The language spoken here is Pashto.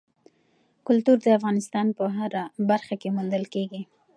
کلتور د افغانستان په هره برخه کې موندل کېږي.